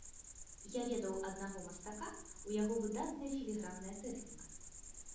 Я ведаў аднаго мастака, у яго выдатная філігранная тэхніка.